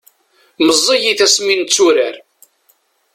meẓẓiyit asmi netturar